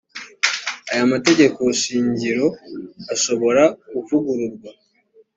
aya mategeko shingiro ashobora kuvugururwa